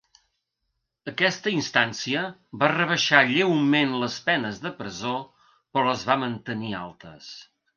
Aquesta instància va rebaixar lleument les penes de presó, però les va mantenir altes.